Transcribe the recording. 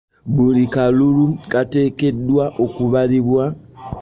Buli kalulu kateekeddwa okubalibwa.